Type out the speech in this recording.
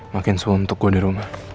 makin sum untuk gue di rumah